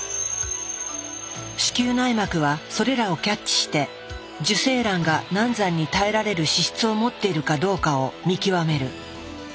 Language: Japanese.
子宮内膜はそれらをキャッチして受精卵が難産に耐えられる資質を持っているかどうかを見極める。